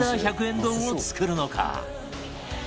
丼を作るのか？